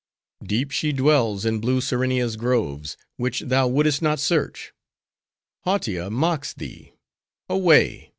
Deep she dwells in blue Serenia's groves; which thou would'st not search. Hautia mocks thee; away!